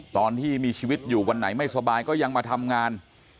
ตอนที่มีชีวิตอยู่วันไหนไม่สบายก็ยังมาทำงาน